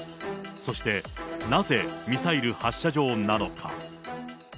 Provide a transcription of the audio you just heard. そして、なぜミサイル発射場なのか。